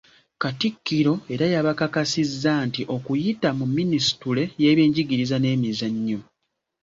Katikkiro era yabakakasizza nti okuyita mu minisitule y'ebyenjigiriza n'emizannyo.